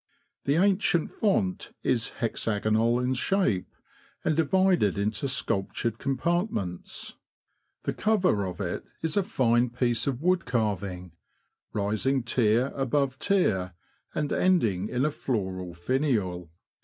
The ancient font is hexagonal in shape, and divided into sculptured compart ments ; the cover of it is a fine piece of wood carving, rising tier above tier, and ending in a floral finial.